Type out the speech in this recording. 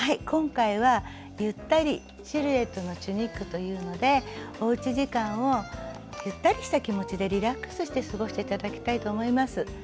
今回は「ゆったりシルエットのチュニック」というのでおうち時間をゆったりした気持ちでリラックスして過ごして頂きたいと思います。